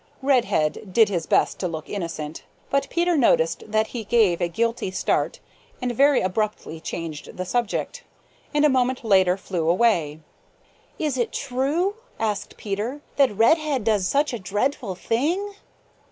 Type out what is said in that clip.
Redhead did his best to look innocent, but Peter noticed that he gave a guilty start and very abruptly changed the subject, and a moment later flew away. "Is it true," asked Peter, "that Redhead does such a dreadful thing?"